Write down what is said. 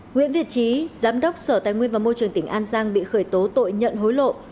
nguyễn việt trí giám đốc sở tài nguyên và môi trường tỉnh an giang bị khởi tố tội nhận hối lộ